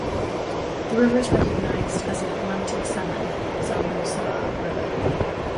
The river is recognized as an Atlantic salmon ("Salmo salar") river.